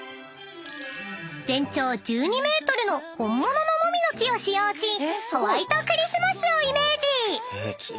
［全長１２ｍの本物のもみの木を使用しホワイトクリスマスをイメージ］